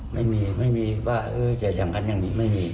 ไม่มีไม่มีว่าจะอย่างนั้นอย่างนี้ไม่มี